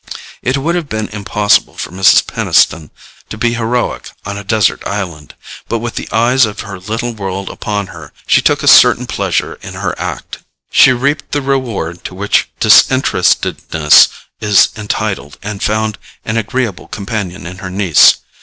It would have been impossible for Mrs. Peniston to be heroic on a desert island, but with the eyes of her little world upon her she took a certain pleasure in her act. She reaped the reward to which disinterestedness is entitled, and found an agreeable companion in her niece.